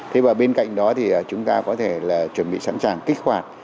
thế và bên cạnh đó thì chúng ta có thể là chuẩn bị sẵn sàng kích hoạt